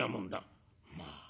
「まあ。